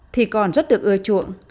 thì còn rất được ưa chuộng